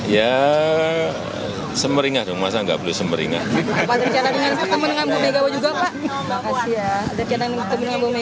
ya semeringat masa nggak boleh semeringat